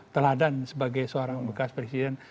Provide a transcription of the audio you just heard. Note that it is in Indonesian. teladan sebagai seorang bekas presiden